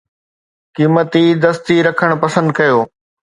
قيمتي دستي رکڻ پسند ڪيو.